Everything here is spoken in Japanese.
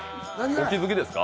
お気づきですか？